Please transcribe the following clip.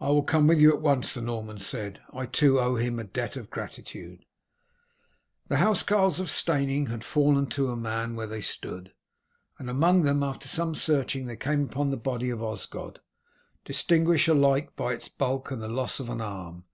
"I will come with you at once," the Norman said, "I too owe him a debt of gratitude." The housecarls of Steyning had fallen to a man where they stood, and among them after some searching they came upon the body of Osgod, distinguished alike by its bulk and the loss of an arm.